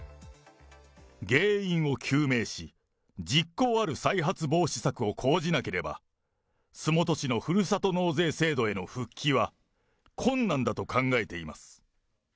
原因を究明し、実効ある再発防止策を講じなければ、洲本市のふるさと納税制度への復帰は困難だと考えています。